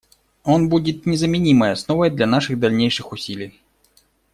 Он будет незаменимой основой для наших дальнейших усилий.